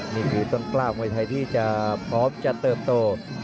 นี่คือต้นกล้ามวยไทยที่จะพร้อมจะเติบโต